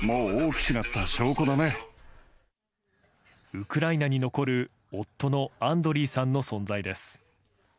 ウクライナに残る夫のアンドリーさんの存在です。